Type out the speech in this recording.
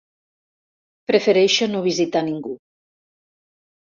Prefereixo no visitar ningú.